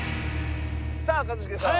さあ一茂さん。